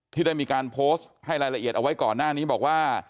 ที่ได้มีการโพสต์ให้รายละเอียดเอาไว้ก่อนหน้านี้บอกว่า